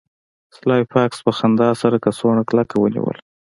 سلای فاکس په خندا سره کڅوړه کلکه ونیوله